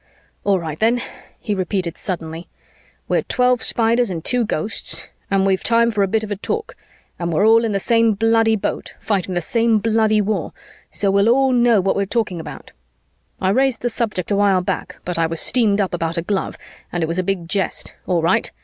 "All right then," he repeated suddenly. "We're twelve Spiders and two Ghosts, and we've time for a bit of a talk, and we're all in the same bloody boat, fighting the same bloody war, so we'll all know what we're talking about. I raised the subject a while back, but I was steamed up about a glove, and it was a big jest. All right!